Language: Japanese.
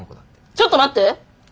ちょっと待って！